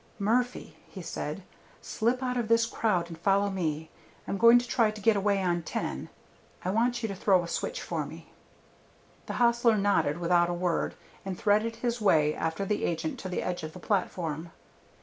"Murphy," he said, "slip out of this crowd and follow me. I'm going to try to get away on 10. I want you to throw a switch for me." The hostler nodded without a word, and threaded his way after the agent to the edge of the platform.